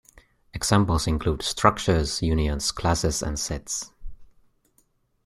Examples include structures, unions, classes, and sets.